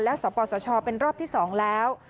และสปสชเป็นรอบที่๒แล้ว